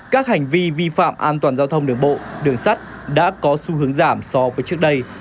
các hành vi vi phạm an toàn giao thông đường bộ đường sắt đã có xu hướng giảm so với trước đây